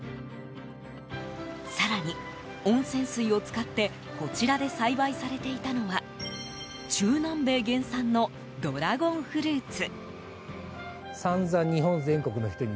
更に、温泉水を使ってこちらで栽培されていたのは中南米原産のドラゴンフルーツ。